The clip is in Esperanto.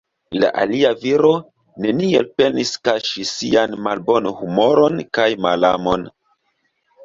La alia viro neniel penis kaŝi sian malbonhumoron kaj malamon.